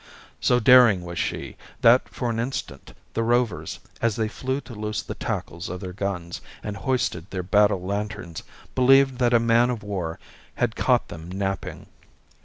So daring was she, that for an instant the Rovers, as they flew to loose the tackles of their guns, and hoisted their battle lanterns, believed that a man of war had caught them napping.